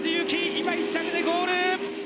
今、１着でゴール！